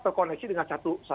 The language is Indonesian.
terkoneksi dengan satu media